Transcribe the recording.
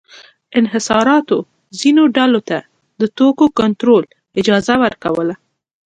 انحصاراتو ځینو ډلو ته د توکو کنټرول اجازه ورکوله.